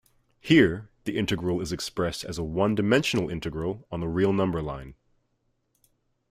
Here, the integral is expressed as a one-dimensional integral on the real number line.